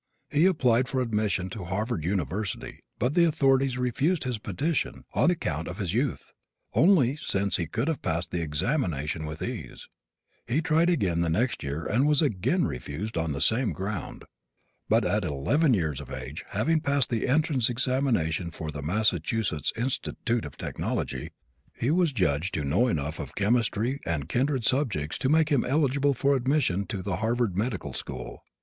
He applied for admission to Harvard University but the authorities refused his petition on account of his youth, only, since he could have passed the examination with ease. He tried again the next year and was again refused on the same ground. But at eleven years of age, having passed the entrance examination for the Massachusetts Institute of Technology, he was judged to know enough of chemistry and kindred subjects to make him eligible for admission to the Harvard medical school.